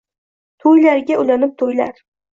To‘ylariga ulanib to‘ylar